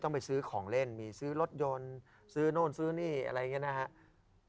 ต้องไปซื้อของเล่นซื้อรถยนต์ซื้อโน่นซื้อหนี้อะไรแล้วยังไงนะฮะ